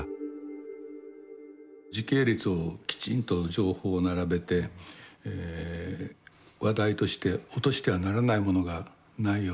時系列をきちんと情報を並べて話題として落としてはならないものがないように。